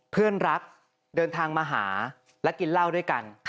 เพื่อนรักเดินทางมาหาและกินเหล้าด้วยกัน